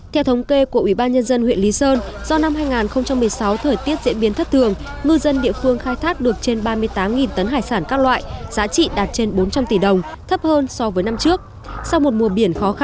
theo thống kê của ủy ban nhân dân huyện lý sơn do năm hai nghìn một mươi sáu thời tiết diễn biến thất thường ngư dân địa phương khai thác được trên ba mươi tám tấn hải sản các loại giá trị đạt trên bốn trăm linh tỷ đồng thấp hơn so với năm trước